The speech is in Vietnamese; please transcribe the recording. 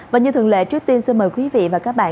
và như thường lệ trước tiên xin mời quý vị và các bạn